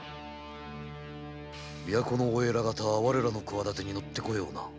都のお偉方は我らの企てに乗ってこような？